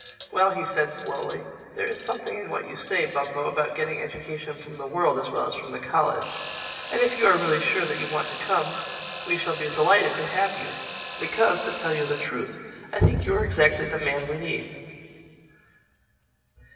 "Well," he said slowly, "there is something in what you say, Bumpo, about getting education from the world as well as from the college. And if you are really sure that you want to come, we shall be delighted to have you. Because, to tell you the truth, I think you are exactly the man we need."